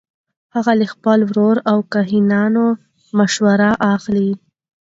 هغه له خپل ورور او کاهنانو مشوره اخلي.